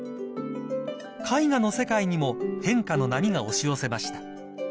［絵画の世界にも変化の波が押し寄せました］